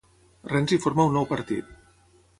Renzi forma un nou partit.